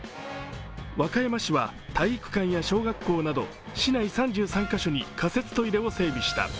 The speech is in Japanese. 和歌山市は体育館や小学校など、市内３３カ所に仮設トイレを整備した。